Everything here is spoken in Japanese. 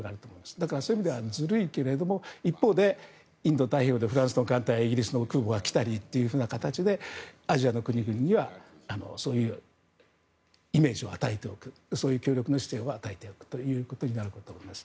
だからそういう意味ではずるいけど一方でインド太平洋でフランスの艦隊が来たりイギリスの空母が来たりという形でアジアの国々にはそういうイメージを与えていくそういう協力の姿勢を与えておくということになると思います。